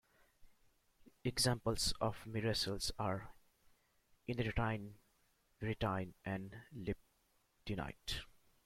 Examples of macerals are inertinite, vitrinite, and liptinite.